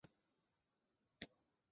创办人是詹慧君与林庭妃两人。